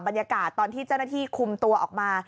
บรรยากาศตอนที่เจ้าหน้าที่คุมตัวออกมา